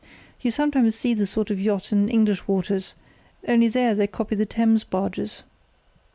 You sometimes see the same sort of yacht in English waters, only there they copy the Thames barges.